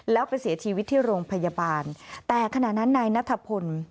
แล้วไปเสียชีวิตที่โรงพยาบาลแต่ขณะนั้นนายนัทพล